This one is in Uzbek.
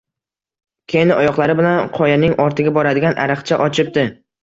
Keyin oyoqlari bilan qoyaning ortiga boradigan ariqcha ochibdi